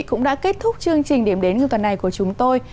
cũng đã kết thúc chương trình điểm đến như tuần này của chúng tôi